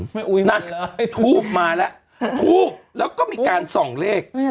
ไม่อุ้ยมันเลยนักทูบมาแล้วทูบแล้วก็มีการส่องเลข